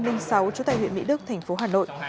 trú tại huyện mỹ đức thành phố hà nội